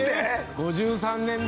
５３年で？